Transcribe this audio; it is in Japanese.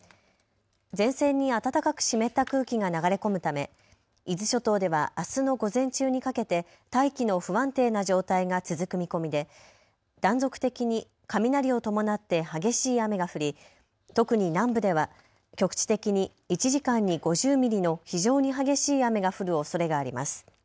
前線に暖かく湿った空気が流れ込むため伊豆諸島ではあすの午前中にかけて大気の不安定な状態が続く見込みで断続的に雷を伴って激しい雨が降り、特に南部では局地的に１時間に５０ミリの非常に激しい雨が降るおそれがあります。